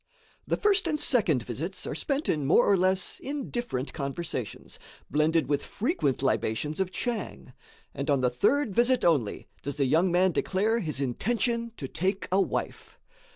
The first and second visits are spent in more or less indifferent conversations, blended with frequent libations of tchang, and on the third visit only does the young man declare his intention to take a wife.